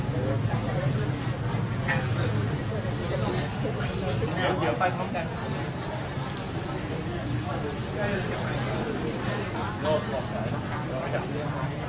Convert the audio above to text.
ประโยชน์ในสามอาจสวัสดี